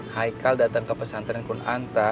haikal datang ke pesantren kunanta